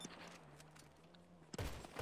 د محتوا له پلوه دا يو تفريحي سفر دى.